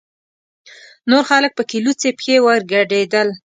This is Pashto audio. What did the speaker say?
نور خلک پکې لوڅې پښې ورګډېدل.